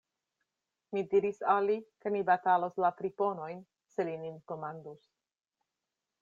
Mi diris al li, ke ni batalos la friponojn, se li nin komandus.